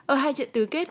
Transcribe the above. ở hai trận tứ kết